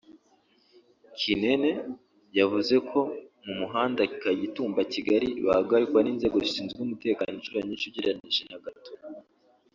Kinene yavuze ko mu muhanda Kagitumba –Kigali bahagarikwa n’inzego zishinzwe umutekano inshuro nyinshi ugereranyije na Gatuna